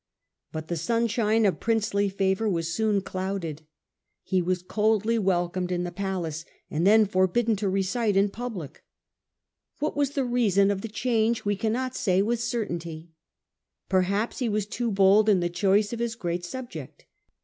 But the sunshine of princely favour was soon clouded; he was coldly wel comed in the palace, and then forbidden to recite in ^. public. What was the reason of the change disgrace at we caniiot say with certainty Perhaps he court, choice of his great sub ject.